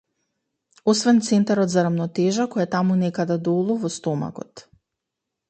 Освен центарот за рамотежа, кој е таму некаде долу, во стомакот.